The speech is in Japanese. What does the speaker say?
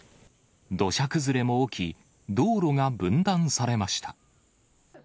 土砂崩れも起き、道路が分断されました。